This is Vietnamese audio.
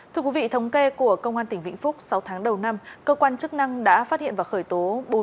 thưa quý vị thống kê của công an tỉnh vĩnh phúc sáu tháng đầu năm cơ quan chức năng đã phát hiện và khởi tố bốn mươi bảy vụ án